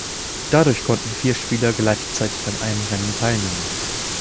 Dadurch konnten vier Spieler gleichzeitig an einem Rennen teilnehmen.